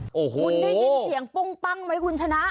คุณได้ยินเสียงปุ้งปั้งไหมคุณชนะ